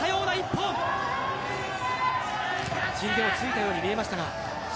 鎮西もついたように見えましたが。